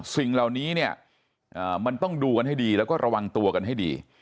สิ่งเหล่านี้เนี่ยมันต้องดูกันให้ดีแล้วก็ระวังตัวกันให้ดี